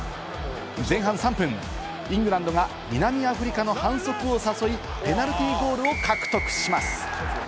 前半３分、イングランドが南アフリカの反則を誘い、ペナルティーゴールを獲得します。